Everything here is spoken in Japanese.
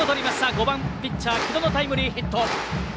５番、ピッチャー城戸のタイムリーヒット。